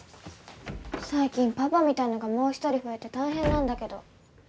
最近パパみたいのがもう一人増えて大変なんだけど。